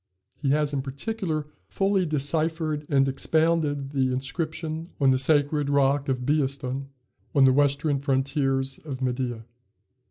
He has, in particular, fully deciphered and expounded the inscription on the sacred rock of Behistun, on the western frontiers of Media.